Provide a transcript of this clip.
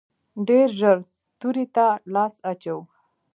ډېر ژر تورې ته لاس اچوو.